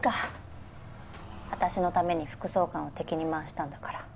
私のために副総監を敵に回したんだから。